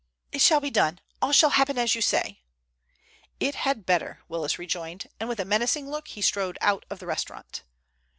"It shall be done! All shall happen as you say!" "It had better," Willis rejoined, and with a menacing look he strode out of the restaurant.